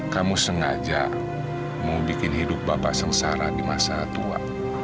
kamu sengaja mau bikin hidup bapak sengsara di masa tua